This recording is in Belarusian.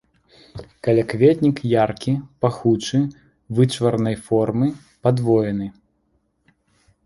Калякветнік яркі, пахучы, вычварнай формы, падвоены.